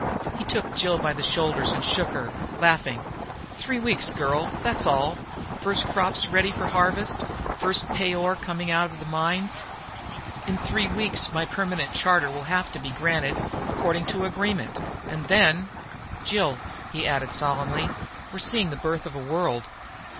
He took Jill by the shoulders and shook her, laughing. "Three weeks, girl, that's all. First crops ready for harvest, first pay ore coming out of the mines. In three weeks my permanent charter will have to be granted, according to agreement, and then.... "Jill," he added solemnly, "we're seeing the birth of a world."